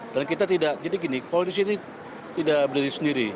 dan kita tidak jadi gini polisi ini tidak berdiri sendiri